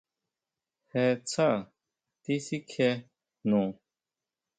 Jé sjá tisikjien jnu.